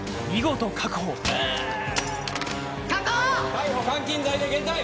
逮捕監禁罪で現逮！